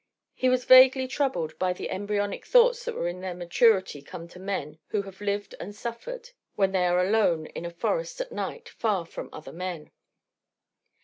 He was vaguely troubled by the embryonic thoughts that in their maturity come to men who have lived and suffered, when they are alone in a forest at night, far from other men.